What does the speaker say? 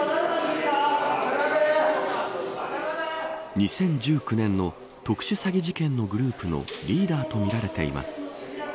２０１９年の特殊詐欺事件のグループのリーダーとみられています。